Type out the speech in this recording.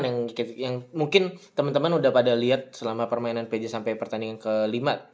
yang mungkin temen temen udah pada lihat selama permainan p j sampai pertandingan kelima